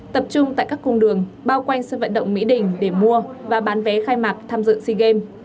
tập trung tại các cung đường bao quanh sân vận động mỹ đình để mua và bán vé khai mạc tham dự sea games